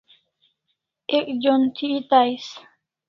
Ek jon thi eta ais